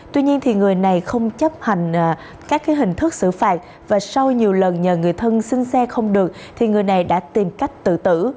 tuy nhiên người này không chấp hành các hình thức xử phạt và sau nhiều lần nhờ người thân xin xe không được thì người này đã tìm cách tự tử